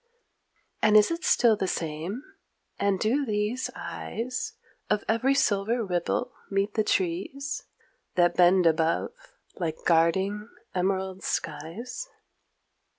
And is it still the same, and do these eyes Of every silver ripple meet the trees That bend above like guarding emerald skies?